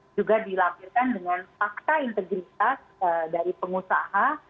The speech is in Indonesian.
juga dilampirkan dengan fakta integritas dari pengusaha